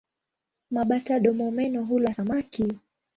Mabata-domomeno hula samaki.